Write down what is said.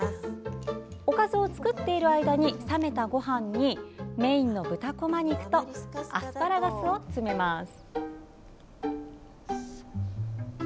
おかずを作っている間に冷めたごはんにメインの豚こま肉とアスパラガスを詰めます。